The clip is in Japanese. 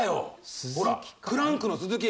ほらクランクのスズキ！